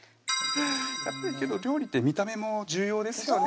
やっぱりけど料理って見た目も重要ですよね